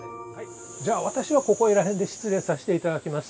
じゃあ私はここいら辺で失礼させていただきます。